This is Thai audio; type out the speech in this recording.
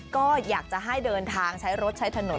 ก็อยากจะให้เดินทางใช้รถใช้ถนน